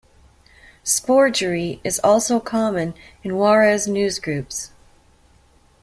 Sporgery is also common in warez newsgroups.